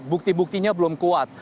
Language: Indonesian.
bukti buktinya belum kuat